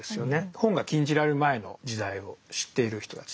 本が禁じられる前の時代を知っている人たち。